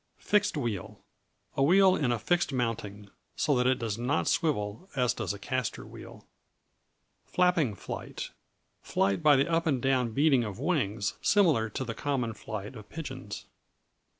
Fixed Wheel A wheel in a fixed mounting, so that it does not swivel as does a caster wheel. Flapping Flight Flight by the up and down beating of wings, similar to the common flight of pigeons.